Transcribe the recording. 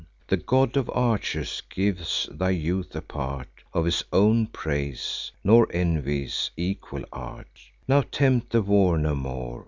The god of archers gives thy youth a part Of his own praise, nor envies equal art. Now tempt the war no more."